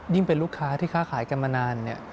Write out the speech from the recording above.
ยิ่งเป็นลูกค้าที่ข้าขายกันมานาน